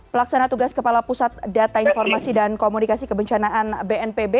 pelaksana tugas kepala pusat data informasi dan komunikasi kebencanaan bnpb